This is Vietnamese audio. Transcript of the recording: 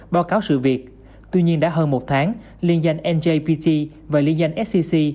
báo cáo sự việc tuy nhiên đã hơn một tháng liên danh njpt và liên danh scc